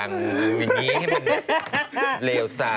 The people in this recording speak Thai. อย่างนี้ให้มันเลี่ยวสาป